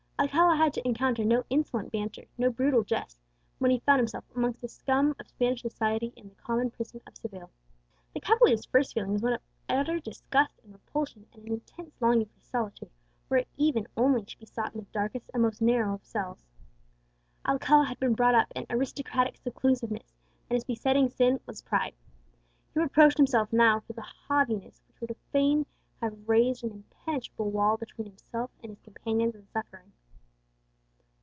Alcala had to encounter no insolent banter, no brutal jests, when he found himself amongst the scum of Spanish society in the common prison of Seville. The cavalier's first feeling was one of utter disgust and repulsion, and an intense longing for solitude, were it even only to be sought in the darkest and most narrow of cells. Alcala had been brought up in aristocratic seclusiveness, and his besetting sin was pride. He reproached himself now for the selfish haughtiness which would fain have raised an impenetrable wall between himself and his companions in suffering.